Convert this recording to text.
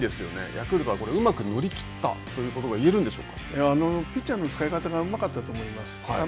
ヤクルトはうまく乗り切ったといピッチャーの使い方がうまかったと思います。